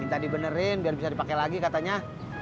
minta dibenerin biar bisa dipake lagi katanya